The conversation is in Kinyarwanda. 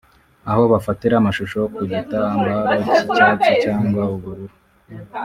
aho bafatira amashusho ku gitambaro cy’icyatsi cyangwa ubururu